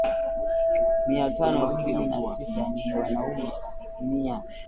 mia tano sitini na sita ni wanaume mia